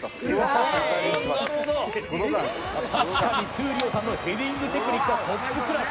確かに闘莉王さんのヘディングテクニックはトップクラス。